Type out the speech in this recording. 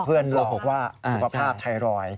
เพื่อนหลอกว่าสุขภาพไทรอยด์